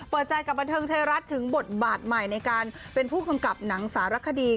เปิดใจกับบันเทิงไทยรัฐถึงบทบาทใหม่ในการเป็นผู้กำกับหนังสารคดี